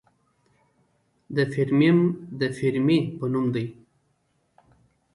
د فیرمیم د فیرمي په نوم دی.